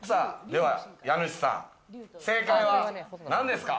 では家主さん、正解は何ですか？